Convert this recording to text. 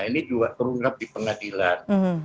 ini juga terungkap di pengadilan